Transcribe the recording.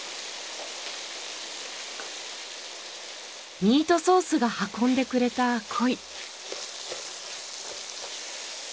ミートソースが運んでくれた恋。